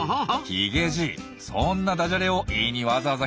ヒゲじいそんなダジャレを言いにわざわざ来たんですか？